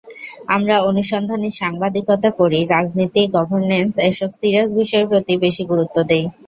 আমরা অনুসন্ধানী সাংবাদিকতা করি, রাজনীতি, গভর্ন্যান্স—এসব সিরিয়াস বিষয়ের প্রতি বেশি গুরুত্ব দিই।